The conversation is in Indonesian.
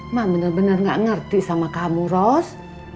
emak benar benar nggak ngerti sama kamu ros